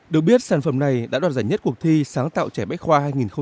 được biết sản phẩm này đã đoạt giải nhất cuộc thi sáng tạo trẻ bách khoa hai nghìn một mươi chín